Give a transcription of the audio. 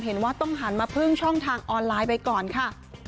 เห็นว่าต้องหันมาพึ่งช่องทางออนไลน์ไปก่อนค่ะ